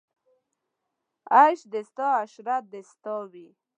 عیش دې ستا عشرت دې ستا وي